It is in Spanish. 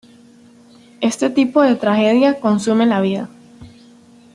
Este tipo de tragedia consume la vida.